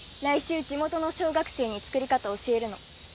来週地元の小学生に作り方教えるの。